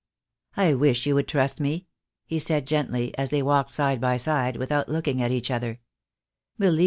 "I wish you would trust me," he said gently, as they walked side by side, without looking at each other.